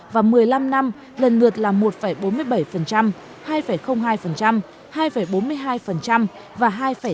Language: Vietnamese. trong năm năm lần lượt là một bốn mươi bảy hai hai hai bốn mươi hai và hai sáu mươi hai